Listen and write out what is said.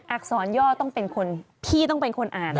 อักษรย่อต้องเป็นคนพี่ต้องเป็นคนอ่าน